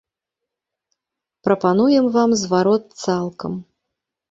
Прапануем вам зварот цалкам.